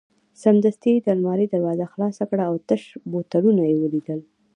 سمدستي یې د المارۍ دروازه خلاصه کړل او تش بوتلونه یې ولیدل.